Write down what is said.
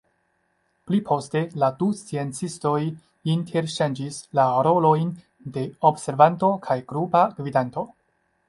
Pli poste la du sciencistoj interŝanĝis la rolojn de observanto kaj grupa gvidanto.